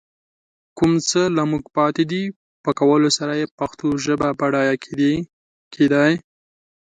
کوم څه له موږ پاتې دي، په کولو سره يې پښتو ژبه بډايه کېدای